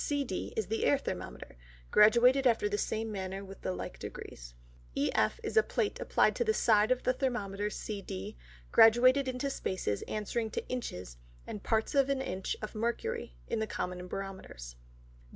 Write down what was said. CD, is the Air Thermometer, graduated after the same manner with the like Degrees. EF, is a Plate applied to the side of the Thermometer CD, graduated into Spaces answering to Inches and parts of an Inch of Mercury, in the common Barometers.